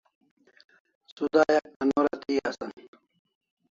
Sudayak anorÃ thi asan